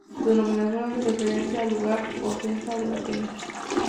Su denominación hace referencia al lugar oscense de La Peña.